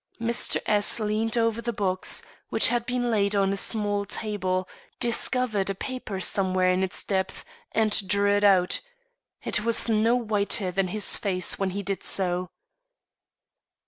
Mr. S leaned over the box, which had been laid on a small table, discovered a paper somewhere in its depth, and drew it out. It was no whiter than his face when he did so.